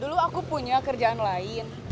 dulu aku punya kerjaan lain